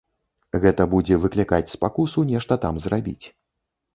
Гэта будзе выклікаць спакусу нешта там зрабіць.